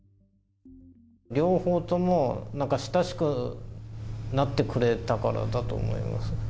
両方とも、なんか、親しくなってくれたからだと思いますね。